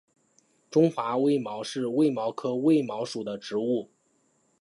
中华卫矛是卫矛科卫矛属的植物。